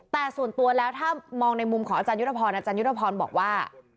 แต่ส่วนตัวแล้วถ้ามองในมุมของอาจารยุทธพรอาจารยุทธพรบอกว่า